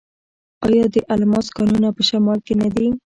آیا د الماس کانونه په شمال کې نه دي؟